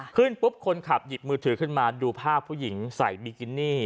ขึ้นปุ๊บคนขับหยิบมือถือขึ้นมาดูภาพผู้หญิงใส่บิกินี่